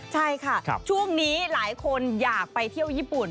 ใช่ค่ะช่วงนี้หลายคนอยากไปเที่ยวญี่ปุ่น